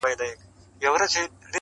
• د هغه له ملاتړ څخه لاس اخلم ,